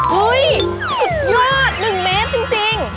เฮ้ยสุดยอด๑เมตรจริง